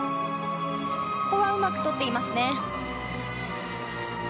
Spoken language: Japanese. ここはうまく取っていますね。